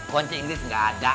kunci inggris nggak ada